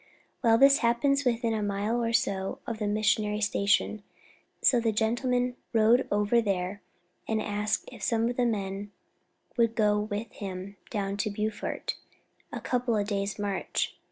Well, this happened within a mile or so of the missionary station, so the gentleman rode over there and asked if some of the men would go with him down to Beaufort, a couple of days' march.